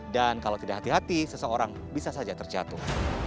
dan kalau tidak hati hati seseorang bisa saja terjatuh